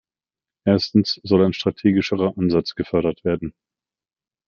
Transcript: Erstens soll ein strategischerer Ansatz gefördert werden.